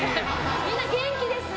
みんな元気ですね。